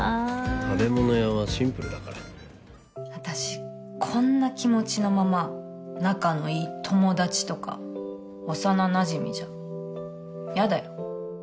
食べ物屋はシンプルだから私こんな気持ちのまま仲のいい友達とか幼なじみじゃ嫌だよ